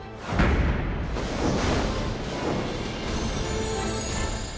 แจ้งตื่น